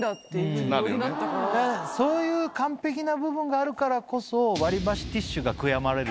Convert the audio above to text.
そういう完璧な部分があるからこそ。